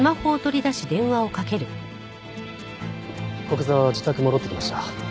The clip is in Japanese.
古久沢は自宅に戻ってきました。